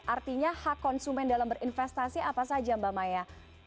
artinya hak konsumen dalam berinvestasi apa saja mbak maya